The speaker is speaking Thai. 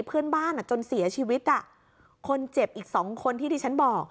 เพื่อนบ้านอ่ะจนเสียชีวิตอ่ะคนเจ็บอีกสองคนที่ที่ฉันบอก